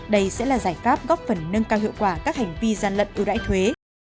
đây sẽ là giải pháp góp phần nâng cao hiệu quả các hành vi gian lận ưu đãi thuế